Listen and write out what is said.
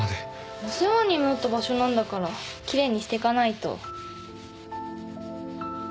お世話になった場所なんだから奇麗にしてかないと。